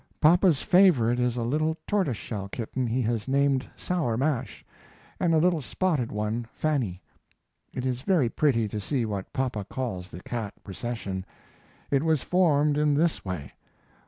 Papa's favorite is a little tortoise shell kitten he has named "Sour Mash," and a little spotted one "Fannie." It is very pretty to see what papa calls the cat procession; it was formed in this way.